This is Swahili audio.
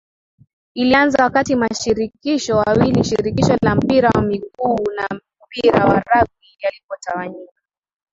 Ilianza wakati mashirikisho mawili Shirikisho la Mpira wa migu na Mpira wa Ragbi yalipotawanyika